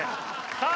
さあ